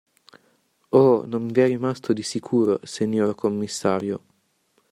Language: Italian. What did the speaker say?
Oh, non vi è rimasto di sicuro, senior commissario.